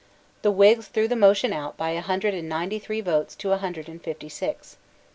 The Whigs threw the motion out by a hundred and ninety three votes to a hundred and fifty six.